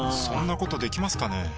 そんなことできますかね？